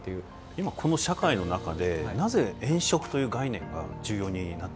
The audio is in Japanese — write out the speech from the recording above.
今この社会の中でなぜ縁食という概念が重要になってくるんでしょうか？